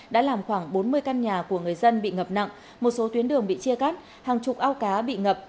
đã làm khoảng bốn mươi căn nhà của người dân bị ngập nặng một số tuyến đường bị chia cắt hàng chục ao cá bị ngập